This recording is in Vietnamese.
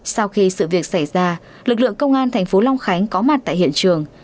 sau khi sự việc xảy ra lực lượng công an thành phố long khánh có mặt tại hiện trường